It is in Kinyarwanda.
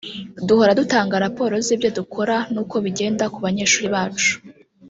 duhora dutanga raporo z ‘ibyo dukora n’uko bigenda ku banyeshuri bacu